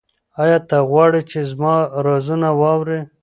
ایا ته غواړې چې زما رازونه واورې؟